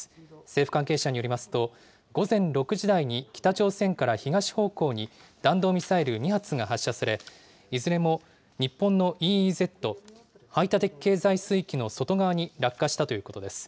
政府関係者によりますと、午前６時台に、北朝鮮から東方向に弾道ミサイル２発が発射され、いずれも日本のＥＥＺ・排他的経済水域の外側に落下したということです。